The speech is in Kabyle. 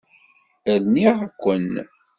Rniɣ-ken.